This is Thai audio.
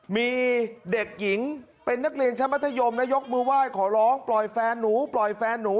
มีเด็กหญิงเป็นนักเรียนชั้นมัธยมนะยกมือไหว้ขอร้องปล่อยแฟนหนูปล่อยแฟนหนู